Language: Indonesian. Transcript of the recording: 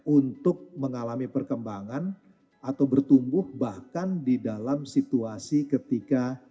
untuk mengalami perkembangan atau bertumbuh bahkan di dalam situasi ketika